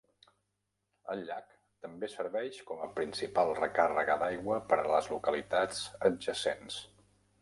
El llac també serveix com a principal recàrrega d'aigua per a les localitats adjacents.